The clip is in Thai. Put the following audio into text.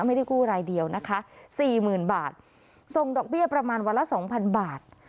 ไม่ได้กู้รายเดียวนะคะสี่หมื่นบาทส่งดอกเบี้ยประมาณวันละสองพันบาท